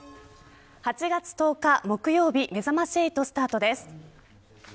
８月１０日木曜日めざまし８スタートです。